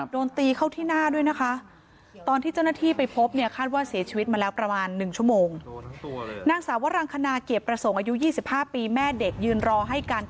โดนตีเข้าที่หน้าด้วยนะคะ